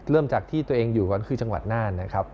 เริ่มจากที่ตัวเองอยู่ก่อนคือจังหวัดน่านนะครับ